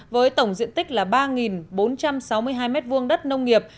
với tổng diện tích là ba bốn trăm sáu mươi hai m hai đất nông nghiệp